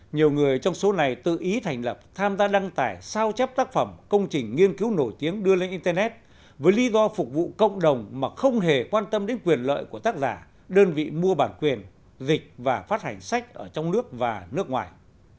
nhiều người trong số này tự ý thành lập tham gia đăng tải sao chép tác phẩm công trình nghiên cứu nổi tiếng đưa lên internet với lý do phục vụ cộng đồng mà không hề quan tâm đến quyền lợi của tác giả đơn vị mua bản quyền dịch và phát hành sách ở trong nước và nước ngoài